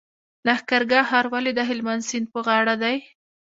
لښکرګاه ښار ولې د هلمند سیند په غاړه دی؟